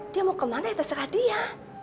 dia mau ke mana yang terserah dia